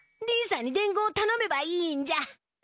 りんさんに伝言をたのめばいいんじゃ！